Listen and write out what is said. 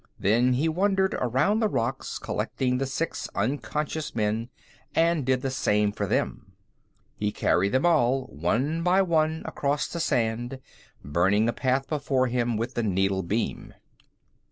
Then he wandered around the rocks, collecting the six unconscious men, and did the same for them. He carried them all, one by one, across the sand, burning a path before him with the needle beam.